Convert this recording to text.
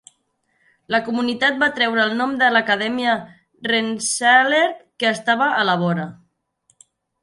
La comunitat va treure el nom de l'Acadèmia Rensselaer, que estava a la vora.